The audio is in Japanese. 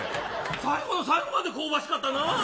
最後の最後まで香ばしかったな。